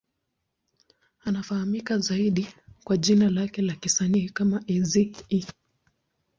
Anafahamika zaidi kwa jina lake la kisanii kama Eazy-E.